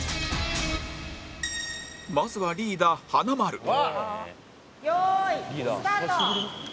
まずはリーダー華丸用意スタート！